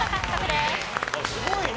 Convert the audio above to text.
すごいね。